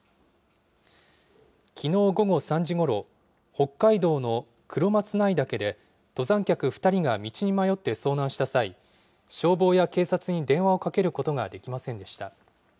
きのう午後３時ごろ、北海道の黒松内岳で、登山客２人が道に迷って遭難した際、消防や警察に電話をかけることができませんでした。